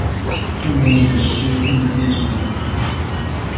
正如你的詩不能變成我的夢